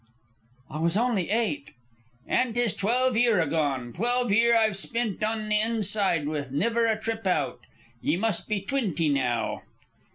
"I was only eight." "An' 'tis twelve year agone. Twelve year I've spint on the Inside, with niver a trip out. Ye must be twinty now?"